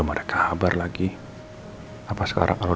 ya udah oke kalau gitu take care siap aman kok